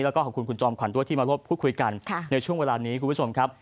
แล้วก็ขอบคุณคุณจอมขวัญด้วยที่มาร่วมพูดคุยกันในช่วงเวลานี้คุณผู้ชมครับ